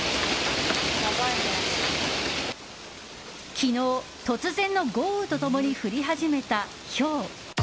昨日、突然の豪雨と共に降り始めた、ひょう。